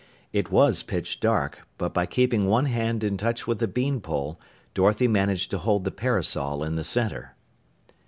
It was pitch dark, but by keeping one hand in touch with the bean pole, Dorothy managed to hold the parasol in the center.